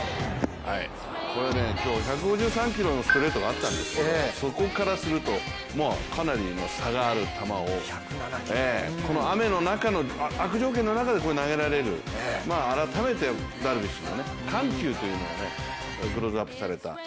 これ、今日１５３キロのストレートがあったんですけどそこからすると、もうかなり差がある球を、この雨の中の悪条件の中で投げられる、改めてダルビッシュの緩急というのをクローズアップされた。